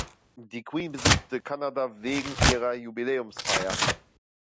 Die Queen besuchte Kanada wegen ihrer Jubiläumsfeier.